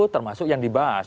termasuk yang dibahas